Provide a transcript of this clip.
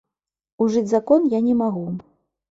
Ужыць закон я не магу.